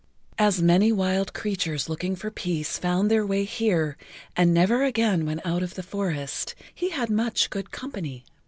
As many wild creatures looking for peace found their way here and never again went out of the forest, he had much good company.